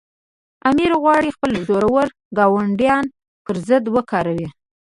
امیر غواړي خپل زورور ګاونډیان پر ضد وکاروي.